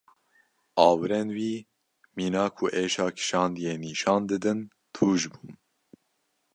Awirên wî mîna ku êşa kişandiye nîşan didin tûj bûn.